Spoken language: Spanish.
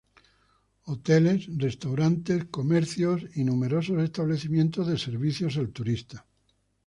Hoteles, restaurantes, comercios y numerosos establecimientos de servicios al turista.